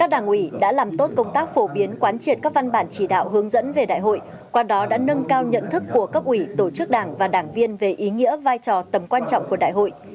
đảng ủy đã làm tốt công tác phổ biến quán triệt các văn bản chỉ đạo hướng dẫn về đại hội qua đó đã nâng cao nhận thức của cấp ủy tổ chức đảng và đảng viên về ý nghĩa vai trò tầm quan trọng của đại hội